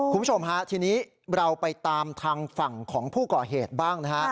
คุณผู้ชมฮะทีนี้เราไปตามทางฝั่งของผู้ก่อเหตุบ้างนะฮะ